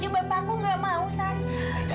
bapak kamu nggak mau stan